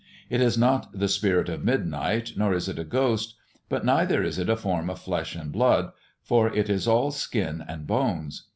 It is not the spirit of midnight, nor is it a ghost; but neither is it a form of flesh and blood, for it is all skin and bones.